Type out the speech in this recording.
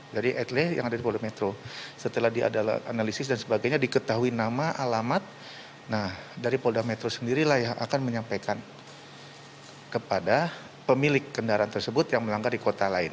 jadi edle yang ada di polda metro setelah dia ada analisis dan sebagainya diketahui nama alamat nah dari polda metro sendirilah yang akan menyampaikan kepada pemilik kendaraan tersebut yang melanggar di kota lain